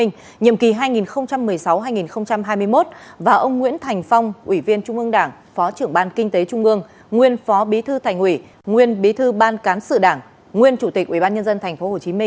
nhiệm kỳ hai nghìn một mươi sáu hai nghìn hai mươi một và ông nguyễn thành phong ủy viên trung ương đảng phó trưởng ban kinh tế trung ương nguyên phó bí thư thành ủy nguyên bí thư ban cán sự đảng nguyên chủ tịch ubnd tp hcm